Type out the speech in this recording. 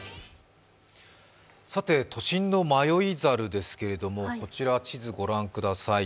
都心の迷い猿ですけれども、こちらの地図を御覧ください。